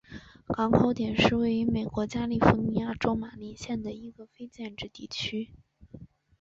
港口点是位于美国加利福尼亚州马林县的一个非建制地区。